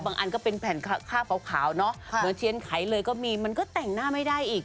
อันก็เป็นแผ่นผ้าขาวเนาะเหมือนเทียนไขเลยก็มีมันก็แต่งหน้าไม่ได้อีก